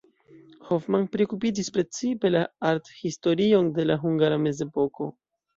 Hoffmann priokupiĝis precipe la arthistorion de la hungara mezepoko.